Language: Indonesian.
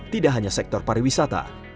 tidak hanya sektor pariwisata